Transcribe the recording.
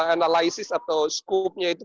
analisis atau skupnya itu